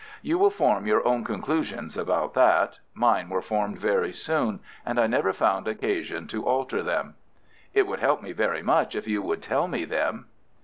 "You will form your own conclusions about that. Mine were formed very soon, and I never found occasion to alter them." "It would help me very much if you would tell me them."